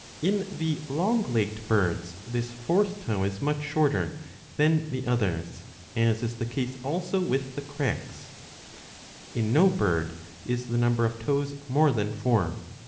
In the long legged birds this fourth toe is much shorter ^^ than the others, as is the case also with the Crex.^^ In no bird is the number of toes more than four.